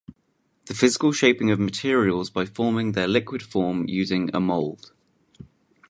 The physical shaping of materials by forming their liquid form using a mould.